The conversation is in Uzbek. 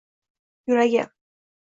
yuragi